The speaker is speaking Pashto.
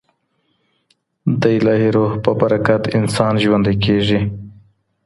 د الهي روح په برکت انسان ژوندی کیږي.